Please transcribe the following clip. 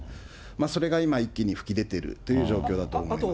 それが今、一気に噴き出てるという状況だと思います。